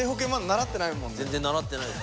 全然習ってない。